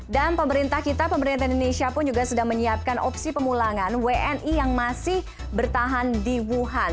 dan pemerintah kita pemerintah indonesia pun juga sedang menyiapkan opsi pemulangan wni yang masih bertahan di wuhan